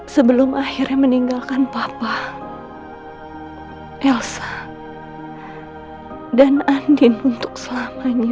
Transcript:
sebelum akhirnya meninggalkan papa elsa dan andin untuk selamanya